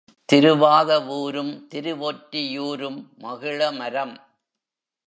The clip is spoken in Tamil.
திருவாதவூரும் திருவொற்றியூரும் மகிழமரம்.